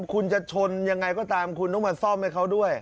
คุณจะชนยังไงก็ตามคุณต้องมาซ่อมให้เขาด้วย